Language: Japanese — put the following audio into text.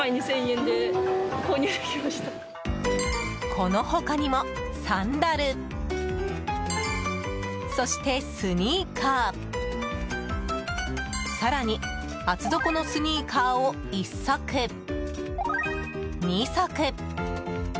この他にも、サンダルそしてスニーカー更に厚底のスニーカーを１足、２足。